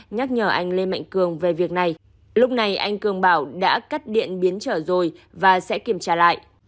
nhắc nhở anh lê mạnh cường về việc này lúc này anh cường bảo đã cắt điện biến trở rồi và sẽ kiểm tra lại